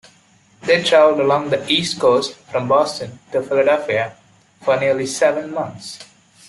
They traveled along the east coast, from Boston to Philadelphia, for nearly seven months.